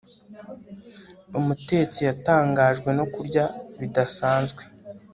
umutetsi yatangajwe no kurya bidasanzwe